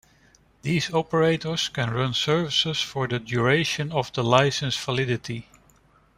These operators can run services for the duration of the licence validity.